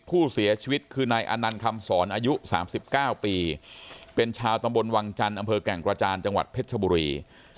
ผู้เสียชีวิตคือนายอนันต์คำสอนอายุ๓๙ปีเป็นชาวตำบลวังจันทร์อำเภอแก่งกระจานจังหวัดเพชรชบุรี